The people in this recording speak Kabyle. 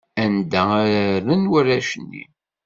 Anda ara rren warrac-nni?